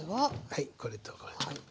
はいこれとこれ。